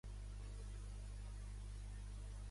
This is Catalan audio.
Durant segles, la "Madonna Benois" es va considerar perduda.